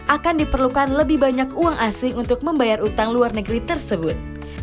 akan diperlukan lebih banyak uang asing untuk membayar utang luar negeri tersebut